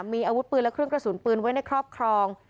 มีอาวุธปืนและเครื่องกระสุนปืนไว้ในครอบครอง